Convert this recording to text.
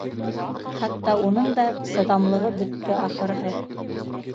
Хатта уның да сыҙамлығы бөттө, ахырыһы.